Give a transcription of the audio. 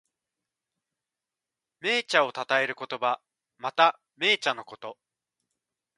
銘茶をたたえる言葉。また、銘茶のこと。